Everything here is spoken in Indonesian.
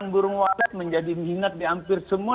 burung walet menjadi minat di hampir semua